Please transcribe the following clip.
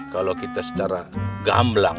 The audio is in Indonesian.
kalau kita secara gamblang